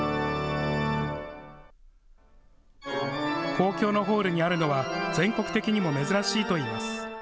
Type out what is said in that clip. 公共のホールにあるのは全国的にも珍しいといいます。